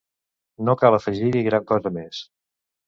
No cal afegir-hi gran cosa més.